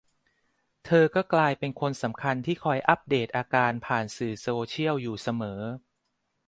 เธอก็กลายเป็นคนสำคัญที่คอยอัปเดตอาการผ่านสื่อโซเชียลอยู่เสมอ